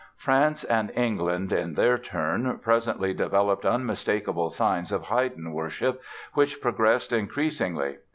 France and England, in their turn, presently developed unmistakable signs of Haydn worship, which progressed increasingly.